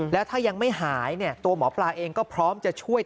แล้วถ้ายังไม่หายตัวหมอปลาเองก็พร้อมจะช่วย